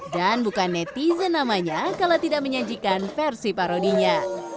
dan bukan netizen namanya kalau tidak menyajikan versi parodinya